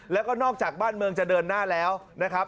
แล้วก็นอกจากบ้านเมืองจะเดินหน้าแล้วนะครับ